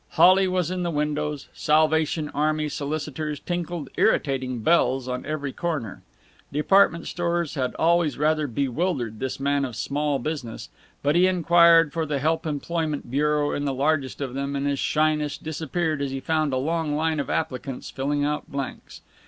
Holly was in the windows; Salvation Army solicitors tinkled irritating bells on every corner. Department stores had always rather bewildered this man of small business, but he inquired for the help employment bureau in the largest of them, and his shyness disappeared as he found a long line of applicants filling out blanks.